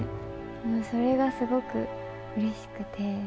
それがすごくうれしくて。